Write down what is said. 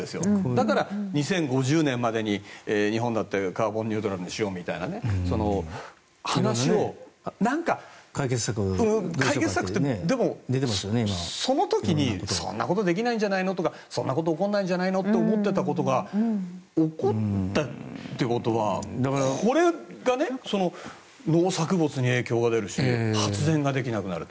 だから、２０５０年までに日本だってカーボンニュートラルにしようみたいな話をなんか、解決策というかその時に、そんなことできないんじゃないのとかそんなこと起こらないんじゃないのって思っていたことが起こったということはこれが、農作物に影響が出るし発電ができなくなる。